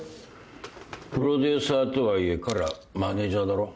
プロデューサーとはいえ彼はマネジャーだろ。